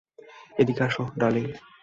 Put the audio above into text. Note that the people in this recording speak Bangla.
এদিকে এসো, ডার্লিং।